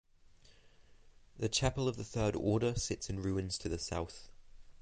The chapel of the Third Order sits in ruins to the south.